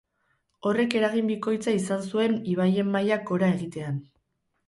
Horrek eragin bikoitza izan zuen ibaien mailak gora egitean.